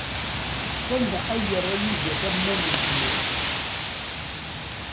Sanda ay yerra Yidir tammumin-nni?